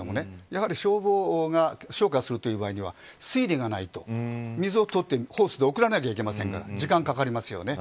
やはり消防が消火するという場合には水を取ってホースで送らないといけませんから時間がかかりますね。